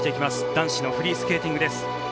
男子フリースケーティングです。